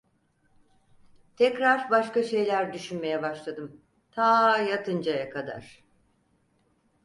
Tekrar başka şeyler düşünmeye başladım: Taaa yatıncaya kadar.